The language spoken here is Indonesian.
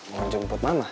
mau jemput mama